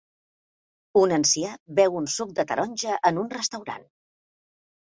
Un ancià beu un suc de taronja en un restaurant.